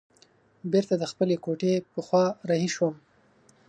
بیرته د خپلې کوټې په خوا رهي شوم.